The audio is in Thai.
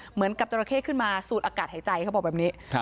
เหมือนกับจราเข้ขึ้นมาสูดอากาศหายใจเขาบอกแบบนี้